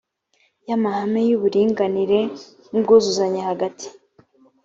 y amahame y uburinganire n ubwuzuzanye hagati